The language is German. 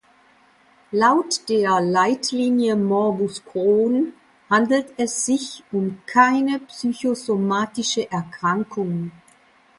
Laut der Leitlinie Morbus Crohn handelt es sich um keine psychosomatische Erkrankung.